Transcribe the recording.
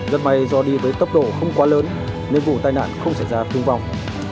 rất may do đi với tốc độ không quá lớn nên vụ tai nạn không xảy ra thương vong